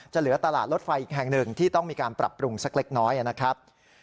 เหลือตลาดรถไฟอีกแห่งหนึ่งที่ต้องมีการปรับปรุงสักเล็กน้อยนะครับ